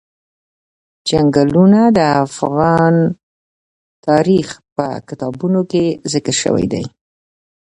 چنګلونه د افغان تاریخ په کتابونو کې ذکر شوی دي.